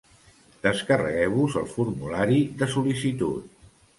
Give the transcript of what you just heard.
Descarregueu-vos el formulari de sol·licitud.